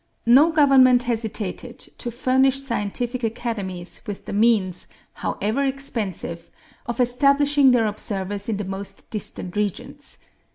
No government hesitated to furnish scientific academies with the means, however expensive, of establishing their observers in the most distant regions.